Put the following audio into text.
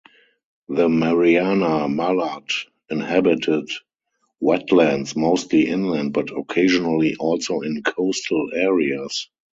The Mariana mallard inhabited wetlands, mostly inland but occasionally also in coastal areas.